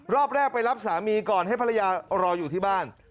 รอบแรกไปรับสามีก่อนให้ภรรยารออยู่ที่บ้าน